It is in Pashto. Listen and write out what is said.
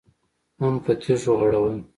هم په تيږو غړول.